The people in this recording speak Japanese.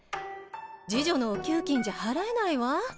侍女のお給金じゃ払えないわ。